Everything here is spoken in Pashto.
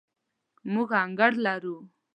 موږ انګړ لرو